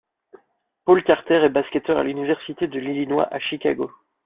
Paul Carter est basketteur à l'Université de l'Illinois à Chicago.